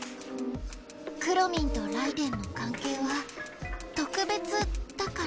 くろミンとライデェンの関係はとくべつだから。